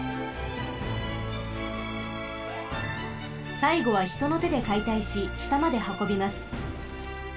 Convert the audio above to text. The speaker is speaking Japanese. さいごはひとのてでかいたいししたまではこびます。